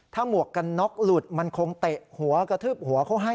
หมวกกันน็อกหลุดมันคงเตะหัวกระทืบหัวเขาให้